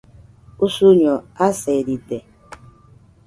usuño aseride